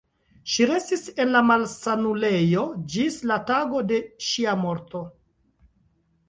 Ŝi restis en la malsanulejo ĝis la tago de ŝia morto.